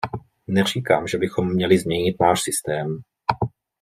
Neříkám, že bychom měli změnit náš systém.